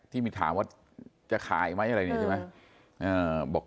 ที่มีถามว่าจะขายไหมอะไรเนี่ยใช่ไหม